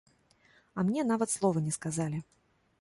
А мне нават слова не сказалі.